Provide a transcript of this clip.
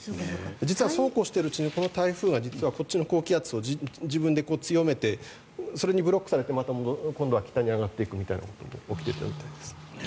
実はそうこうしているうちにこの台風がこっちの高気圧を自分で強めてそれにブロックされて今度は北に上がっていくみたいなことが起きていたみたいです。